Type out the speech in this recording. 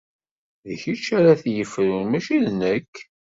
D kečč ara t-yefrun mačči d nekk.